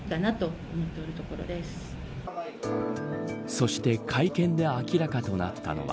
そして会見で明らかとなったのは。